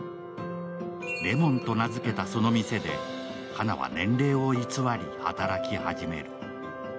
れもんと名付けたその店で花は年齢を偽り働き始める。